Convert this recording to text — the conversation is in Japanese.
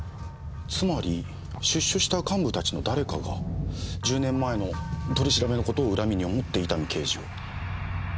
つまり出所した幹部たちの誰かが１０年前の取り調べの事を恨みに思って伊丹刑事を。